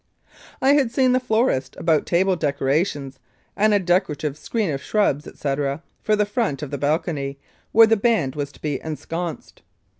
I had seen the florist about table decorations, and a decorative screen of shrubs, &c., for the front of the balcony, where the band was to be ensconced.